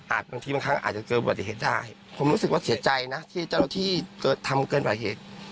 อาจบางทีบางครั้งอาจจะเกิดบัตรเหตุได้ผมรู้สึกว่าเสียใจนะที่เจ้าที่เกิดทำเกินบัตรเหตุ